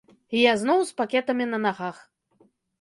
І я зноў з пакетамі на нагах.